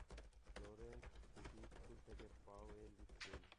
Florence city school থেকে Powell school.